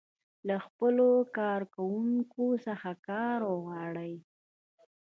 له خپلو کارکوونکو څخه کار غواړي.